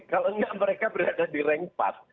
kalau enggak mereka berada di rank empat